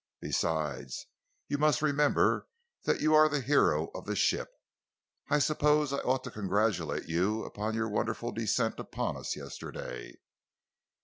"Besides, you must remember that you are the hero of the ship. I suppose I ought to congratulate you upon your wonderful descent upon us yesterday."